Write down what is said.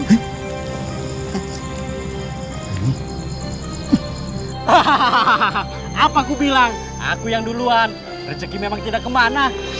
hahaha apa aku bilang aku yang duluan rezeki memang tidak kemana